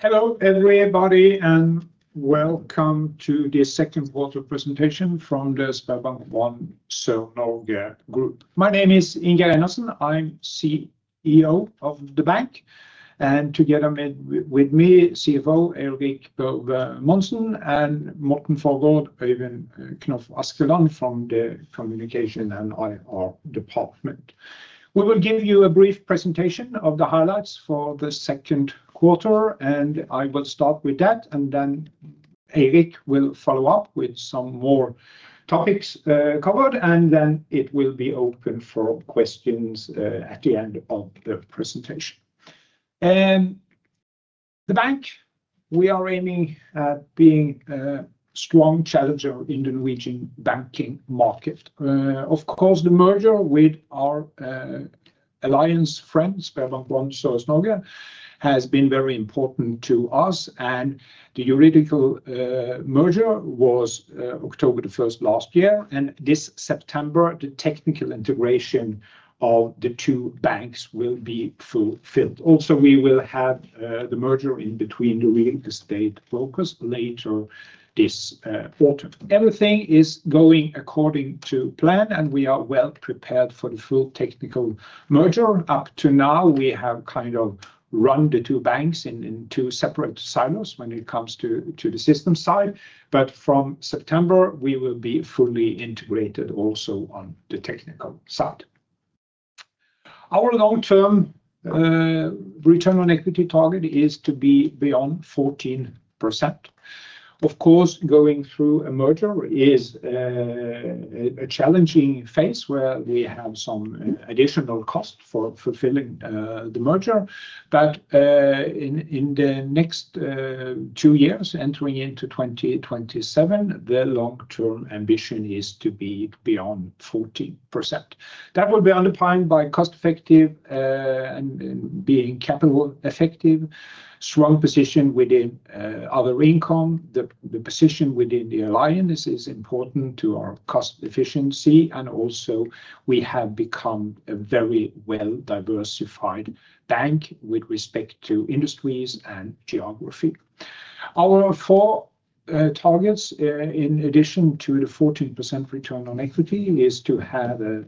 Hello everybody, and welcome to the second quarter presentation from the SpareBank 1 Sør-Norge Group. My name is Inge Reinertsen. I'm CEO of the bank, and together with me, CFO Eirik Børve Monsen and Morten Forgaard, Øyvind Knoph Askeland from the Communication and IR department. We will give you a brief presentation of the highlights for the second quarter. I will start with that, and then Eirik will follow up with some more topics covered, and it will be open for questions at the end of the presentation. The bank, we are aiming at being a strong challenger in the Norwegian banking market. Of course, the merger with our alliance friends, SpareBank 1 Sør-Norge, has been very important to us, and the juridical merger was October 1 last year, and this September, the technical integration of the two banks will be fulfilled. Also, we will have the merger in between the real estate focus later this quarter. Everything is going according to plan, and we are well prepared for the full technical merger. Up to now, we have kind of run the two banks in two separate silos when it comes to the system side, but from September, we will be fully integrated also on the technical side. Our long-term return on equity target is to be beyond 14%. Of course, going through a merger is a challenging phase where we have some additional costs for fulfilling the merger, but in the next two years, entering into 2027, the long-term ambition is to be beyond 14%. That will be underpinned by cost-effective and being capital-effective, strong position within other income. The position within the alliance is important to our cost efficiency, and also we have become a very well-diversified bank with respect to industries and geography. Our four targets, in addition to the 14% return on equity, are to have a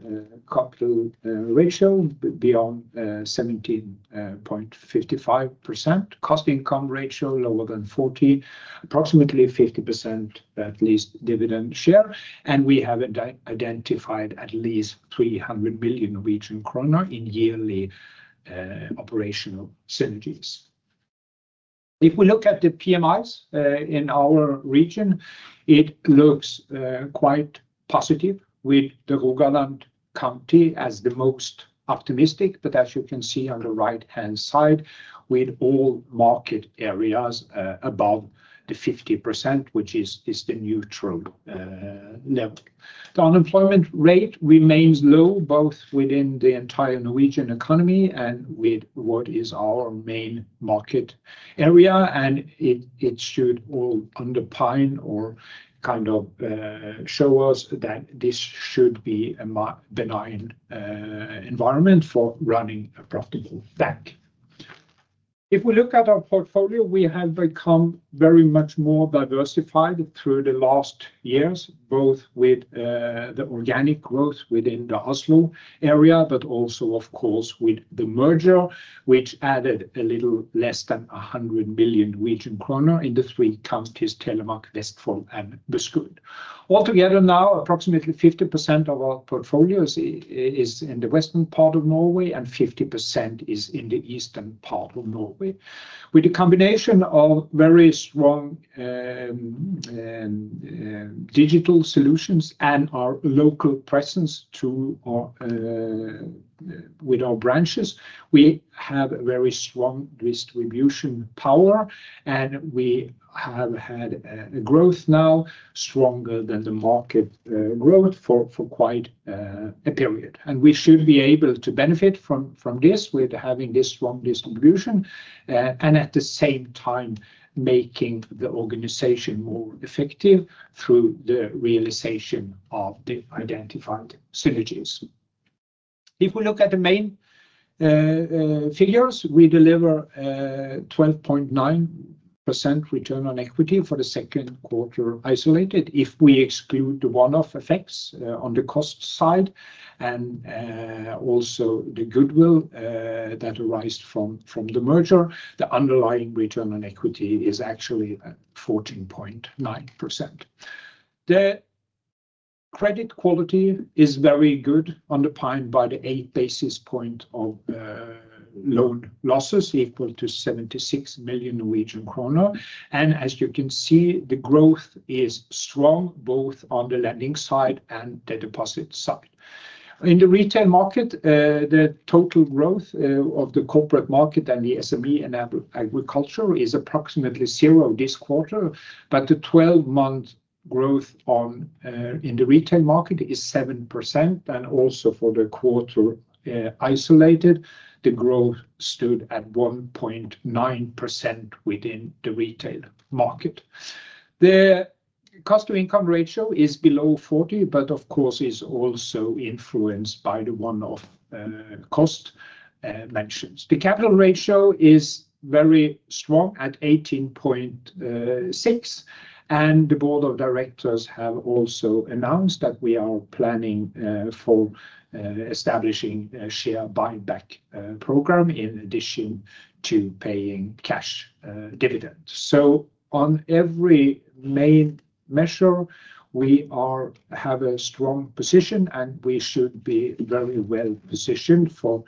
capital ratio beyond 17.55%, cost-income ratio lower than 40, approximately 50% at least dividend share, and we have identified at least 300 million Norwegian kroner in yearly operational synergies. If we look at the PMIs in our region, it looks quite positive with the Rogaland County as the most optimistic, but as you can see on the right-hand side, with all market areas above the 50%, which is the neutral level. The unemployment rate remains low, both within the entire Norwegian economy and with what is our main market area, and it should all underpin or kind of show us that this should be a benign environment for running a profitable bank. If we look at our portfolio, we have become very much more diversified through the last years, both with the organic growth within the Oslo area, but also, of course, with the merger, which added a little less than 100 million Norwegian kroner in the three counties Telemark, Vestfold, and Buskerud. Altogether now, approximately 50% of our portfolio is in the western part of Norway, and 50% is in the eastern part of Norway. With a combination of very strong digital solutions and our local presence with our branches, we have a very strong distribution power, and we have had a growth now stronger than the market growth for quite a period. We should be able to benefit from this with having this strong distribution, and at the same time, making the organization more effective through the realization of the identified synergies. If we look at the main figures, we deliver 12.9% return on equity for the second quarter isolated. If we exclude the one-off effects on the cost side and also the goodwill that arised from the merger, the underlying return on equity is actually 14.9%. The credit quality is very good, underpinned by the 8 basis points of loan losses equal to 76 million Norwegian kroner, and as you can see, the growth is strong both on the lending side and the deposit side. In the retail market, the total growth of the corporate market and the SME and agriculture is approximately zero this quarter, but the 12-month growth in the retail market is 7%, and also for the quarter isolated, the growth stood at 1.9% within the retail market. The cost-income ratio is below 40%, but it is also influenced by the one-off cost mentioned. The capital ratio is very strong at 18.6%, and the board of directors has also announced that we are planning for establishing a share buyback program in addition to paying cash dividends. On every main measure, we have a strong position, and we should be very well positioned for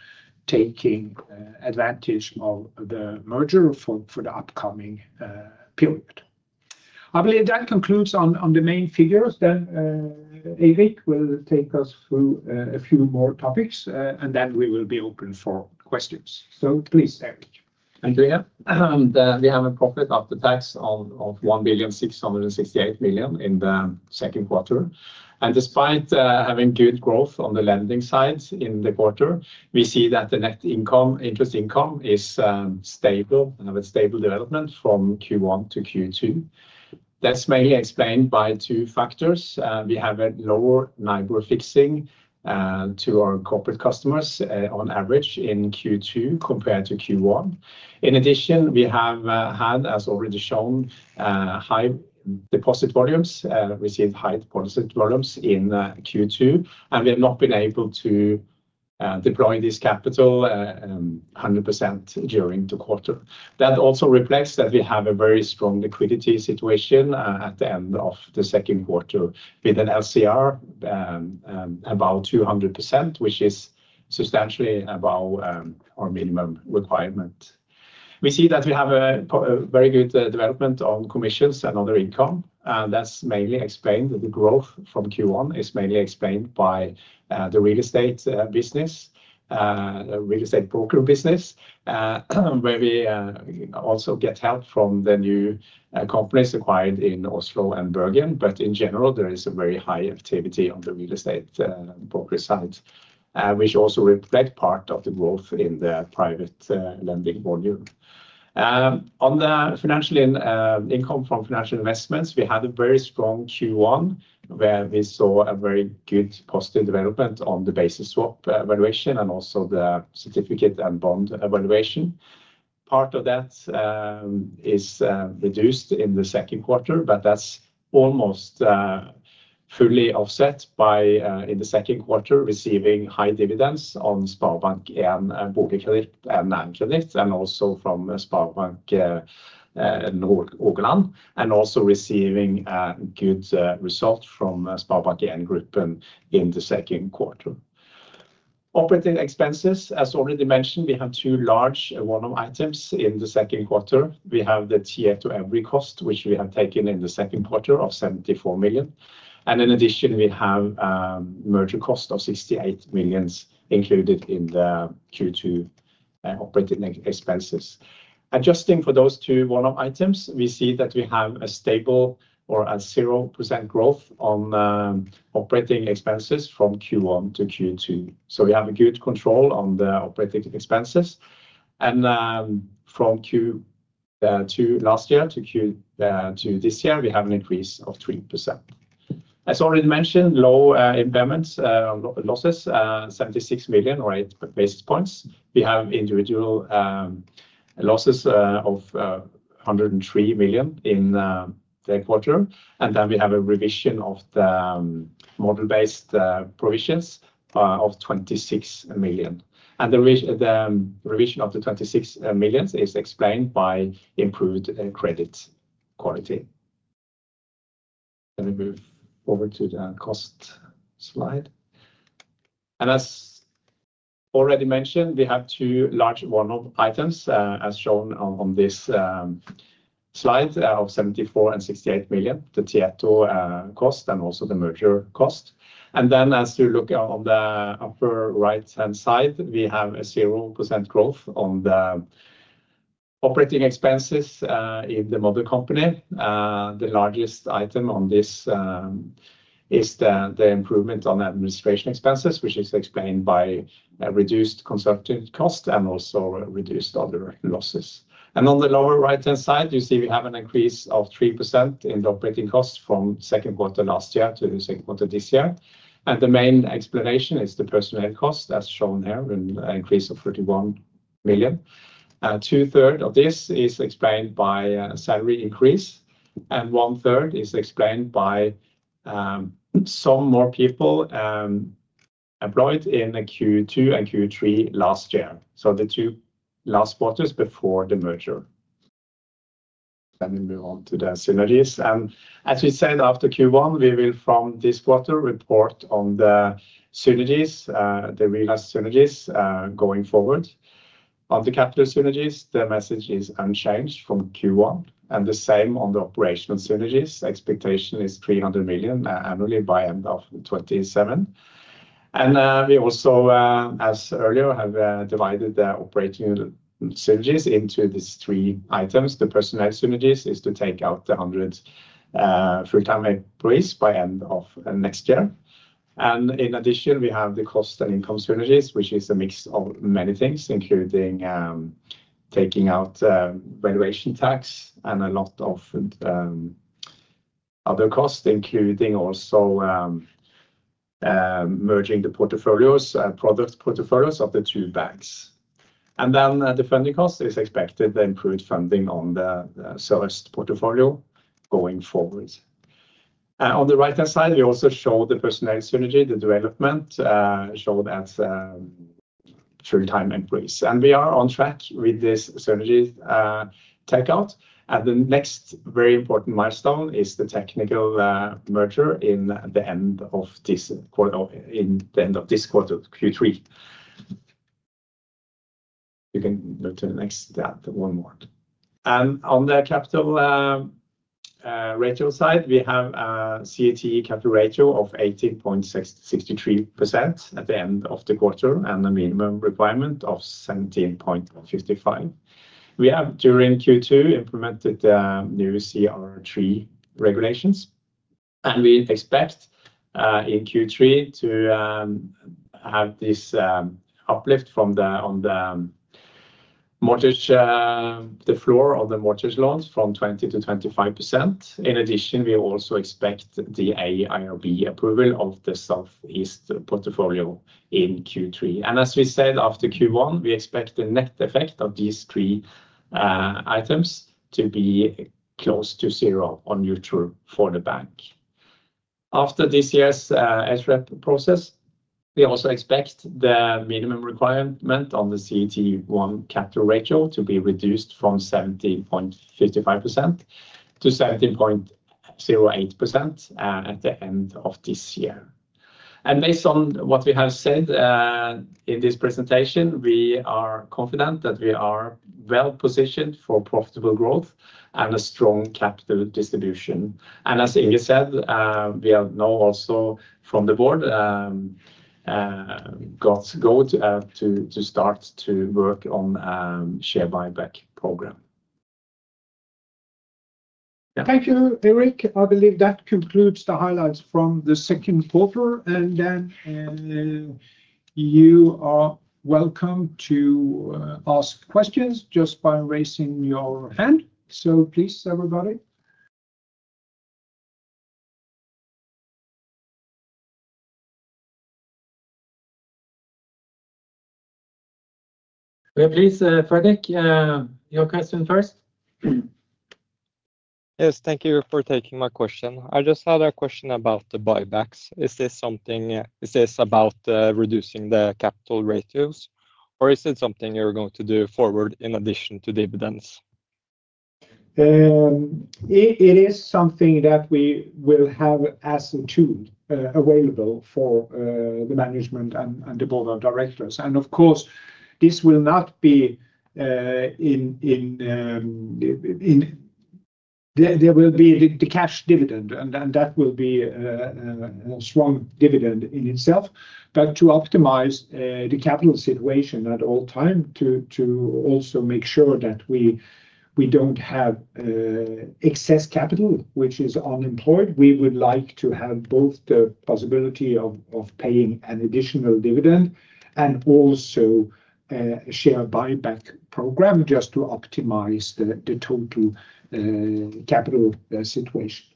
taking advantage of the merger for the upcoming period. I believe that concludes on the main figures. Eirik will take us through a few more topics, and we will be open for questions. Please, Eirik. Thank you. We have a profit after tax of 1.668 million in the second quarter, and despite having good growth on the lending sides in the quarter, we see that the net interest income is stable. We have a stable development from Q1 to Q2. This may be explained by two factors. We have a lower neighbor fixing to our corporate customers on average in Q2 compared to Q1. In addition, we have had, as already shown, high deposit volumes. We've seen high deposit volumes in Q2, and we have not been able to deploy this capital 100% during the quarter. That also reflects that we have a very strong liquidity situation at the end of the second quarter with an LCR about 200%, which is substantially above our minimum requirement. We see that we have a very good development on commission and other income, and that's mainly explained that the growth from Q1 is mainly explained by the real estate business, the real estate brokerage business, where we also get help from the new companies acquired in Oslo and Bergen. In general, there is a very high activity on the real estate brokerage side, which also reflects part of the growth in the private lending volume. On the financial income from financial investments, we had a very strong Q1 where we saw a very good positive development on the basis swap evaluation and also the certificate and bond evaluation. Part of that is reduced in the second quarter, but that's almost fully offset by in the second quarter receiving high dividends on SpareBank 1 Bobilkredit, NN-kredit, and also from SpareBank Nord Rogaland, and also receiving a good result from SpareBank 1 Gruppen in the second quarter. Operating expenses, as already mentioned, we have two large one-off items in the second quarter. We have the tiered to every cost, which we have taken in the second quarter of 74 million, and in addition, we have a merger cost of 68 million included in the Q2 operating expenses. Adjusting for those two one-off items, we see that we have a stable or a 0% growth on operating expenses from Q1 to Q2. We have a good control on the operating expenses, and from Q2 last year to this year, we have an increase of 3%. As already mentioned, low impairment losses, 76 million or 8 basis points. We have individual losses of 103 million in the quarter, and then we have a revision of the model-based provisions of 26 million. The revision of the 26 million is explained by improved credit quality. Let me move over to the cost slide. As already mentioned, we have two large one-off items as shown on this slide of 74 million and 68 million, the tiered two cost and also the merger cost. As you look on the upper right-hand side, we have a 0% growth on the operating expenses in the mother company. The largest item on this is the improvement on administration expenses, which is explained by a reduced consultant cost and also reduced other losses. On the lower right-hand side, you see we have an increase of 3% in the operating costs from the second quarter last year to the second quarter this year. The main explanation is the personnel cost as shown here in an increase of 31 million. Two-thirds of this is explained by a salary increase, and one-third is explained by some more people employed in Q2 and Q3 last year, the two last quarters before the merger. Let me move on to the synergies. As we said after Q1, we will from this quarter report on the synergies, the realized synergies going forward. On the capital synergies, the message is unchanged from Q1, and the same on the operational synergies. Expectation is 300 million annually by the end of 2027. We also, as earlier, have divided the operating synergies into these three items. The personnel synergies is to take out the 100 full-time employees by the end of next year. In addition, we have the cost and income synergies, which is a mix of many things, including taking out valuation tax and a lot of other costs, including also merging the product portfolios of the two banks. The funding cost is expected, the improved funding on the sourced portfolio going forward. On the right-hand side, we also show the personnel synergy, the development showed as a full-time employee. We are on track with this synergy takeout. The next very important milestone is the technical merger in the end of this quarter, in the end of this quarter, Q3. You can go to the next, that one more. On the capital ratio side, we have a CET1 capital ratio of 18.63% at the end of the quarter and a minimum requirement of 17.55%. We have, during Q2, implemented the new CR3 regulations, and we expect in Q3 to have this uplift on the mortgage, the floor on the mortgage loans from 20%-25%. In addition, we also expect the AIRB approval of the Southeast portfolio in Q3. As we said after Q1, we expect the net effect of these three items to be close to zero or neutral for the bank. After this year's HREP process, we also expect the minimum requirement on the CET1 capital ratio to be reduced from 17.55%-17.08% at the end of this year. Based on what we have said in this presentation, we are confident that we are well positioned for profitable growth and a strong capital distribution. As Inge said, we have now also from the board got go to start to work on a share buyback program. Thank you, Eirik. I believe that concludes the highlights from the second quarter, and you are welcome to ask questions just by raising your hand. Please, everybody. Please, Fredrik, your question first. Yes, thank you for taking my question. I just had a question about the buybacks. Is this something, is this about reducing the capital ratios, or is it something you're going to do forward in addition to dividends? It is something that we will have as a tool available for the management and the Board of Directors. Of course, this will not be in, there will be the cash dividend, and that will be a strong dividend in itself. To optimize the capital situation at all times, to also make sure that we don't have excess capital which is unemployed, we would like to have both the possibility of paying an additional dividend and also a share buyback program just to optimize the total capital situation.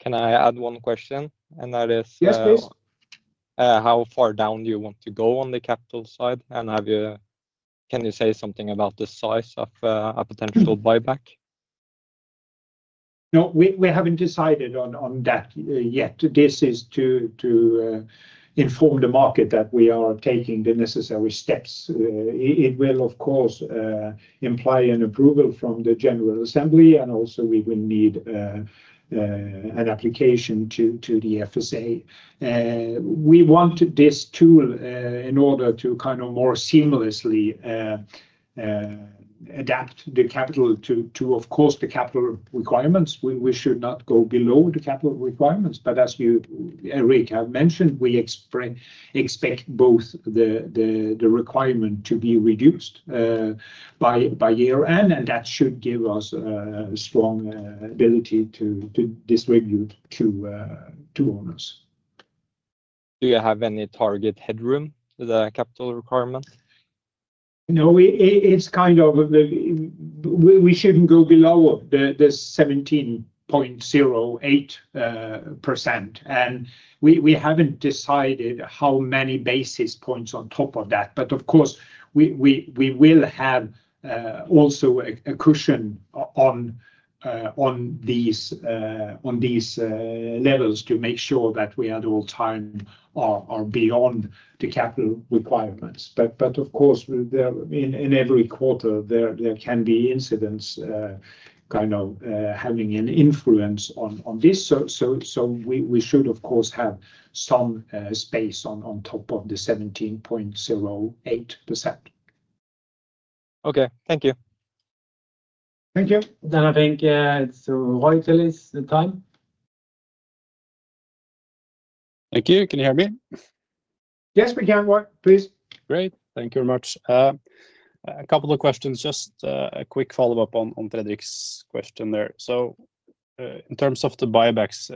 Can I add one question? That is. Yes, please. How far down do you want to go on the capital side? Can you say something about the size of a potential buyback? No, we haven't decided on that yet. This is to inform the market that we are taking the necessary steps. It will, of course, imply an approval from the General Assembly, and also we will need an application to the FSA. We want this tool in order to kind of more seamlessly adapt the capital to, of course, the capital requirements. We should not go below the capital requirements. As you, Eirik, have mentioned, we expect both the requirement to be reduced by year-end, and that should give us a strong ability to distribute to owners. Do you have any target headroom for the capital requirements? No, it's kind of, we shouldn't go below the 17.08%. We haven't decided how many basis points on top of that. Of course, we will have also a cushion on these levels to make sure that we at all times are beyond the capital requirements. In every quarter, there can be incidents kind of having an influence on this. We should, of course, have some space on top of the 17.08%. Okay, thank you. Thank you. I think it's [Roy Tillis], the time. Thank you. Can you hear me? Yes, we can. Roy, please. Great. Thank you very much. A couple of questions, just a quick follow-up on Fredrik's question there. In terms of the buybacks,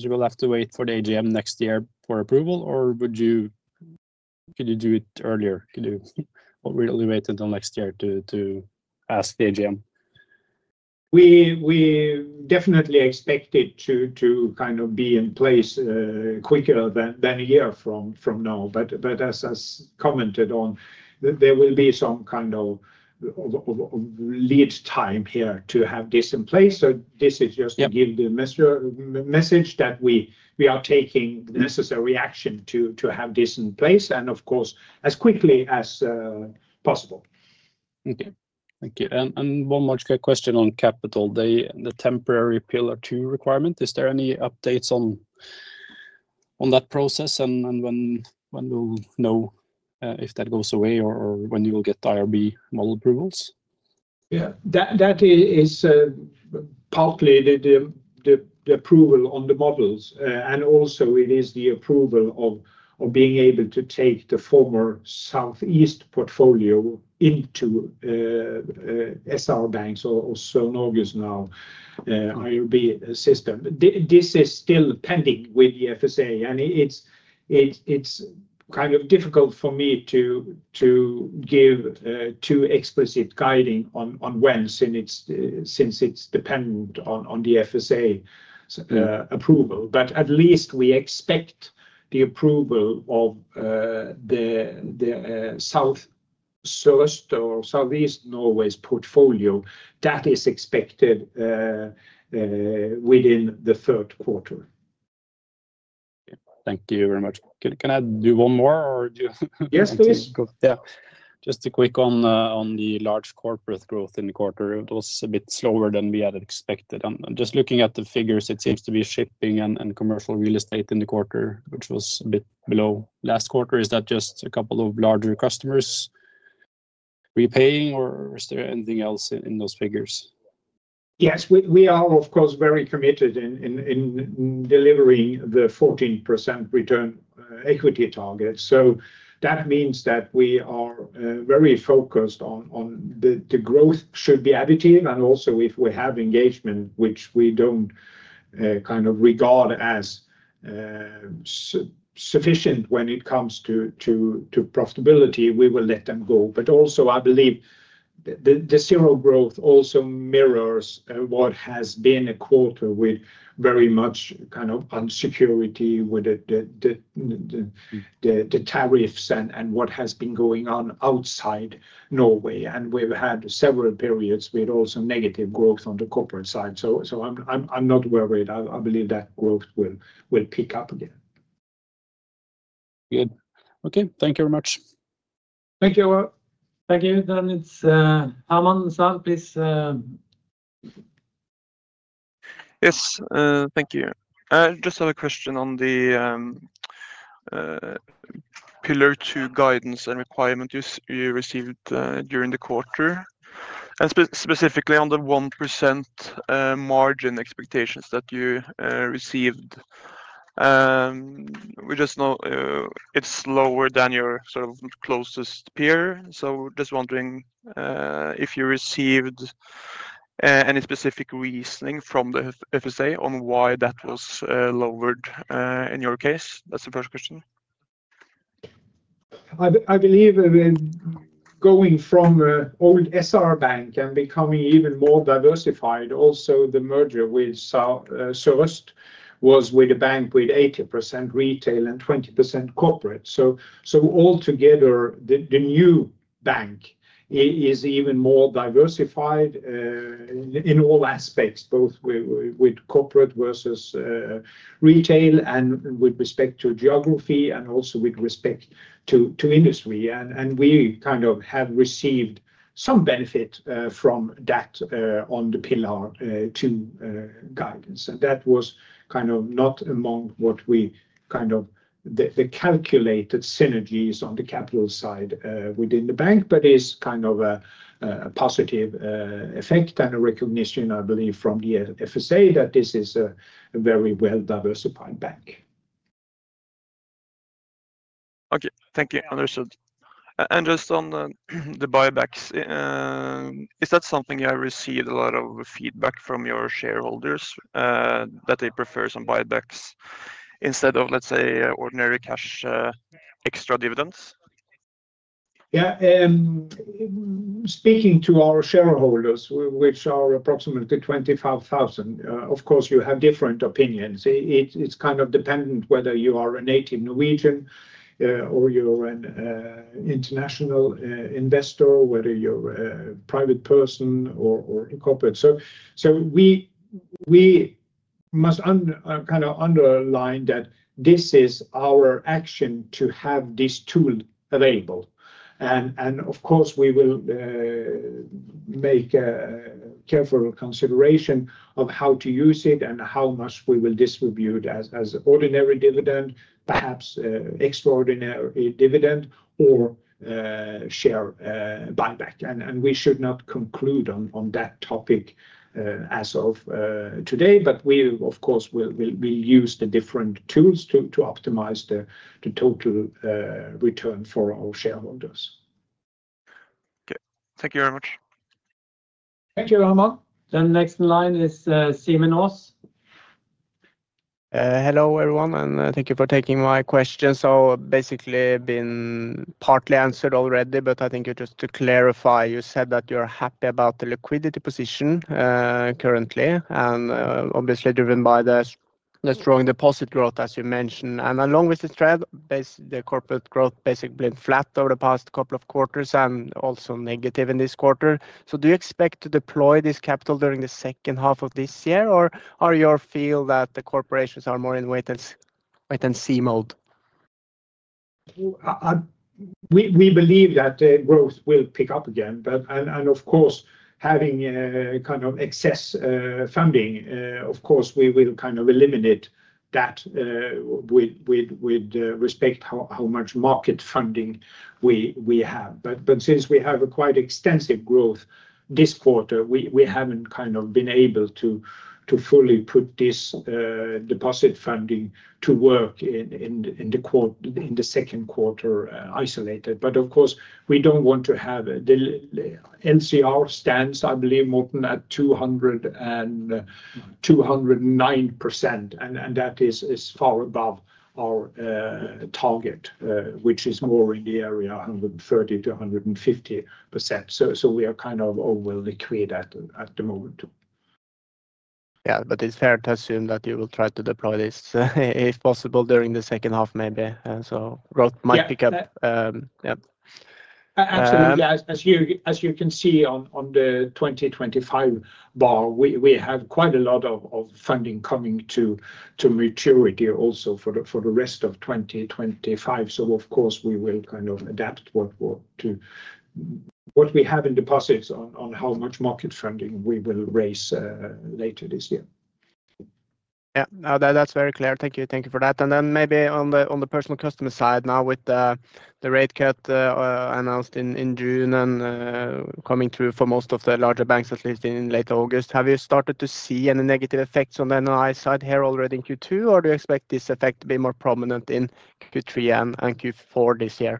you will have to wait for the AGM next year for approval, or could you do it earlier? Could you really wait until next year to ask the AGM? We definitely expect it to be in place quicker than a year from now. As commented on, there will be some kind of lead time here to have this in place. This is just to give the message that we are taking the necessary action to have this in place, and of course, as quickly as possible. Okay. Thank you. One more quick question on capital, the temporary pillar two requirement. Is there any updates on that process and when we'll know if that goes away or when you will get the IRB model approvals? Yeah, that is partly the approval on the models, and also it is the approval of being able to take the former Southeast portfolio into SpareBank 1 Sør-Norge's now IRB system. This is still pending with the FSA, and it's kind of difficult for me to give too explicit guiding on when since it's dependent on the FSA approval. At least we expect the approval of the Southeast Norway's portfolio that is expected within the third quarter. Thank you very much. Can I do one more? Yes, please. Yeah. Just a quick one on the large corporate growth in the quarter. It was a bit slower than we had expected. I'm just looking at the figures. It seems to be shipping and commercial real estate in the quarter, which was a bit below last quarter. Is that just a couple of larger customers repaying, or is there anything else in those figures? Yes, we are, of course, very committed in delivering the 14% return on equity target. That means that we are very focused on the growth should be additive, and also if we have engagement, which we don't kind of regard as sufficient when it comes to profitability, we will let them go. I believe the zero growth also mirrors what has been a quarter with very much kind of unsecurity with the tariffs and what has been going on outside Norway. We've had several periods with also negative growth on the corporate side. I'm not worried. I believe that growth will pick up again. Okay, thank you very much. Thank you. Thank you. It is [Amand Sal], please. Yes, thank you. I just have a question on the pillar two guidance and requirement you received during the quarter, and specifically on the 1% margin expectations that you received. We just know it's lower than your sort of closest peer. Just wondering if you received any specific reasoning from the FSA on why that was lowered in your case. That's the first question. I believe going from an old SR Bank and becoming even more diversified, also the merger with SpareBank 1 Sør-Norge was with a bank with 80% retail and 20% corporate. Altogether, the new bank is even more diversified in all aspects, both with corporate versus retail and with respect to geography and also with respect to industry. We have received some benefit from that on the pillar two guidance. That was not among what we calculated as synergies on the capital side within the bank, but it's a positive effect, a recognition, I believe, from the FSA that this is a very well-diversified bank. Okay. Thank you. Understood. Just on the buybacks, is that something you have received a lot of feedback from your shareholders that they prefer some buybacks instead of, let's say, ordinary cash extra dividends? Yeah. Speaking to our shareholders, which are approximately 25,000, of course, you have different opinions. It's kind of dependent whether you are a native Norwegian or you're an international investor, whether you're a private person or a corporate. We must kind of underline that this is our action to have this tool available. Of course, we will make careful consideration of how to use it and how much we will distribute as ordinary dividend, perhaps extraordinary dividend, or share buyback. We should not conclude on that topic as of today, but we, of course, will use the different tools to optimize the total return for our shareholders. Okay, thank you very much. Thank you, Amand. Next in line is [Simon Aas]. Hello everyone, and thank you for taking my questions. Basically, I've been partly answered already, but just to clarify, you said that you're happy about the liquidity position currently, obviously driven by the strong deposit growth, as you mentioned. Along with the spread, the corporate growth basically went flat over the past couple of quarters and also negative in this quarter. Do you expect to deploy this capital during the second half of this year, or do you feel that the corporations are more in wait-and-see mode? We believe that the growth will pick up again. Of course, having kind of excess funding, we will eliminate that with respect to how much market funding we have. Since we have a quite extensive growth this quarter, we haven't been able to fully put this deposit funding to work in the second quarter isolated. We don't want to have the LCR stands, I believe, Morten, at 209%. That is far above our target, which is more in the area of 130%-150%. We are kind of overly clear at the moment. It's fair to assume that you will try to deploy this if possible during the second half, maybe. Growth might pick up. Absolutely. As you can see on the 2025 bar, we have quite a lot of funding coming to maturity also for the rest of 2025. Of course, we will kind of adapt what we have in deposits on how much market funding we will raise later this year. Thank you for that. Maybe on the personal customer side, now with the rate cut announced in June and coming through for most of the larger banks, at least in late August, have you started to see any negative effects on the NOI side here already in Q2, or do you expect this effect to be more prominent in Q3 and Q4 this year?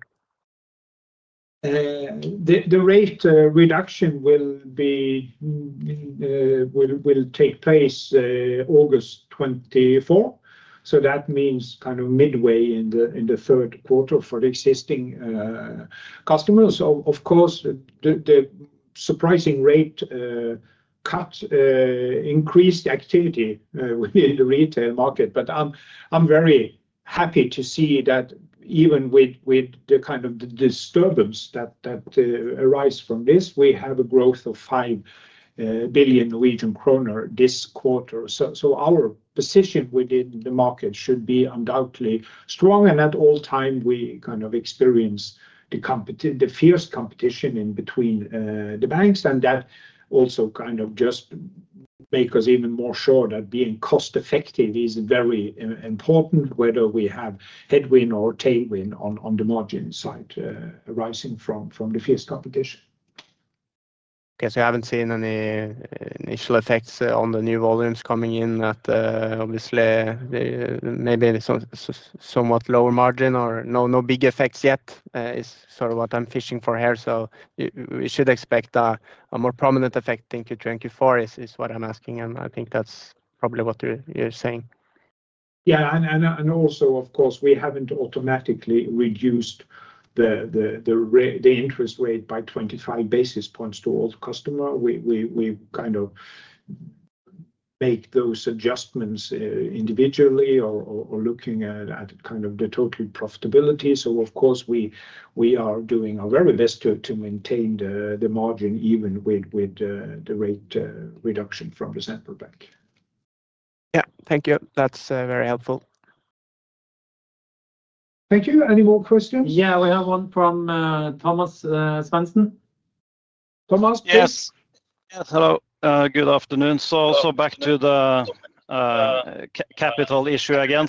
The rate reduction will take place in August 2024. That means kind of midway in the third quarter for the existing customers. Of course, the surprising rate cut increased the activity in the retail market. I'm very happy to see that even with the kind of disturbance that arised from this, we have a growth of 5 billion Norwegian kroner this quarter. Our position within the market should be undoubtedly strong. At all times, we kind of experience the fierce competition in between the banks. That also kind of just makes us even more sure that being cost-effective is very important, whether we have headwind or tailwind on the margin side arising from the fierce competition. I guess you haven't seen any initial effects on the new volumes coming in that obviously maybe somewhat lower margin or no big effects yet. It's sort of what I'm fishing for here. We should expect a more prominent effect in Q3 and Q4 is what I'm asking. I think that's probably what you're saying. Of course, we haven't automatically reduced the interest rate by 25 basis points to all customers. We make those adjustments individually or looking at the total profitability. We are doing our very best to maintain the margin even with the rate reduction from SpareBank 1 Sør-Norge. Thank you. That's very helpful. Thank you. Any more questions? Yeah, we have one from Thomas Svensen. Thomas, please. Yes. Hello. Good afternoon. Back to the capital issue again.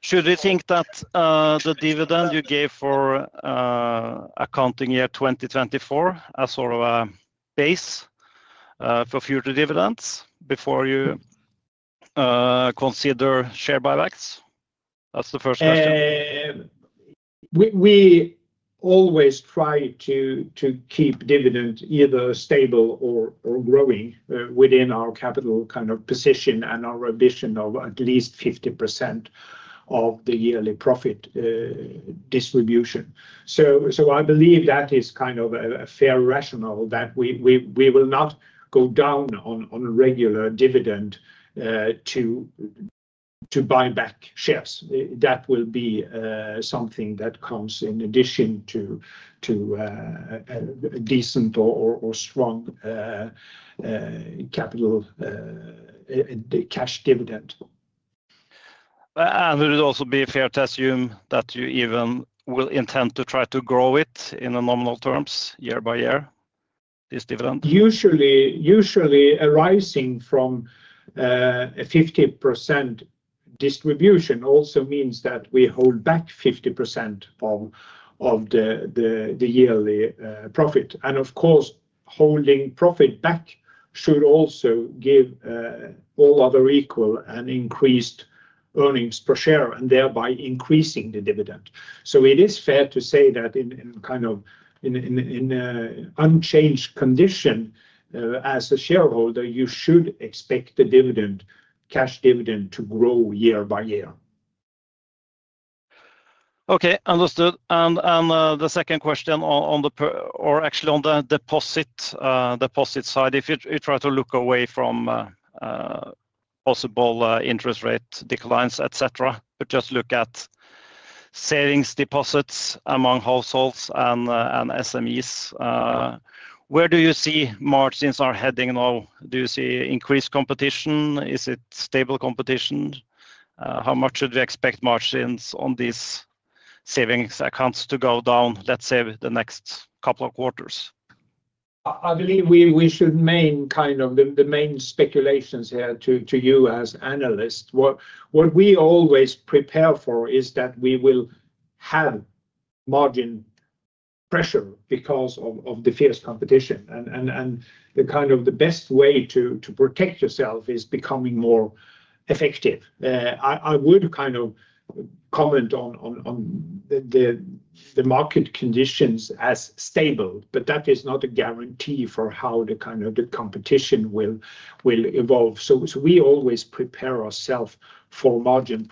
Should we think that the dividend you gave for accounting year 2024 as sort of a base for future dividends before you consider share buybacks? That's the first question. We always try to keep dividends either stable or growing within our capital kind of position and our ambition of at least 50% of the yearly profit distribution. I believe that is kind of a fair rationale that we will not go down on a regular dividend to buy back shares. That will be something that comes in addition to a decent or strong capital cash dividend. Would it also be fair to assume that you even will intend to try to grow it in nominal terms year by year, this dividend? Usually, arising from a 50% distribution also means that we hold back 50% of the yearly profit. Of course, holding profit back should also give all other equal an increased earnings per share, thereby increasing the dividend. It is fair to say that in kind of an unchanged condition as a shareholder, you should expect the cash dividend to grow year by year. Okay. Understood. The second question on the deposit side, if you try to look away from possible interest rate declines, etc., but just look at savings deposits among households and SMEs, where do you see margins are heading now? Do you see increased competition? Is it stable competition? How much should we expect margins on these savings accounts to go down, let's say, the next couple of quarters? I believe we should leave kind of the main speculations here to you as analysts. What we always prepare for is that we will have margin pressure because of the fierce competition. The best way to protect yourself is becoming more effective. I would comment on the market conditions as stable, but that is not a guarantee for how the competition will evolve. We always prepare ourselves for margin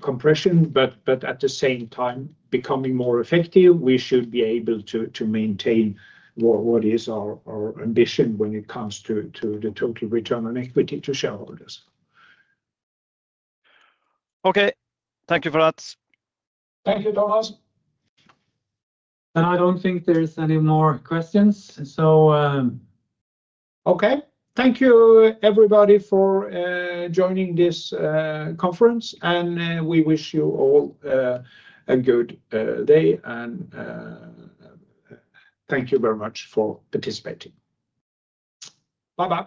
compression, but at the same time, becoming more effective, we should be able to maintain what is our ambition when it comes to the total return on equity to shareholders. Okay, thank you for that. Thank you, Thomas. I don't think there's any more questions. Okay. Thank you, everybody, for joining this conference. We wish you all a good day, and thank you very much for participating. Bye-bye.